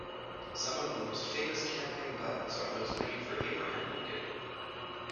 Some of the most famous campaign buttons are those made for Abraham Lincoln.